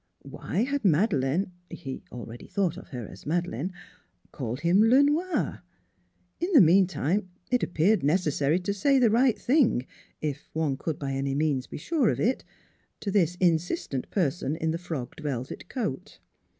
Why had Madeleine (he already thought of her as Made leine) called him Le Noir? In the meantime it appeared necessary to say the right thing if one could by any means be sure of it to this in sistent person in the frogged velvet coat.